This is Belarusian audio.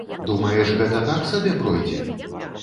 Думаеш, гэта так сабе пройдзе?